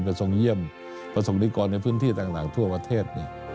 ทรงเยี่ยมประสงค์นิกรในพื้นที่ต่างทั่วประเทศ